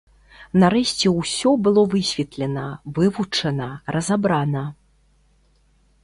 Нарэшце ўсё было высветлена, вывучана, разабрана.